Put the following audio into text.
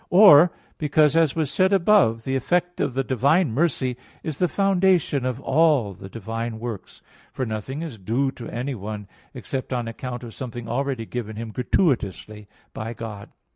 Or because, as was said above (Q. 21, A. 4), the effect of the divine mercy is the foundation of all the divine works. For nothing is due to anyone, except on account of something already given him gratuitously by God.